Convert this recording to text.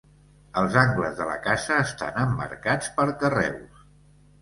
Els angles de la casa estan emmarcats per carreus.